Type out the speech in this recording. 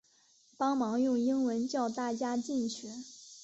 帮忙用英文叫大家进去